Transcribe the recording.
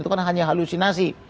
itu kan hanya halusinasi